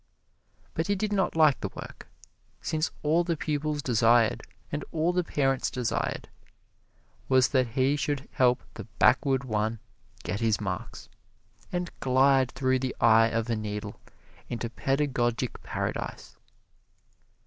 But he did not like the work, since all the pupil desired, and all the parents desired, was that he should help the backward one get his marks, and glide through the eye of a needle into pedagogic paradise.